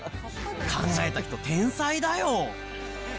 考えた人、天才だよ。